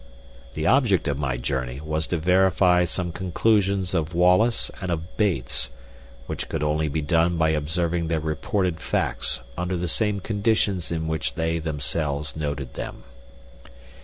The object of my journey was to verify some conclusions of Wallace and of Bates, which could only be done by observing their reported facts under the same conditions in which they had themselves noted them.